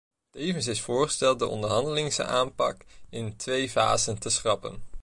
Tevens is voorgesteld de onderhandelingsaanpak in twee fasen te schrappen.